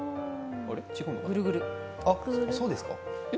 あれ、そうですか？